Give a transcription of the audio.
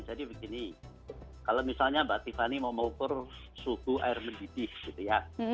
jadi begini kalau misalnya mbak tiffany mau mengukur suhu air mendidih gitu ya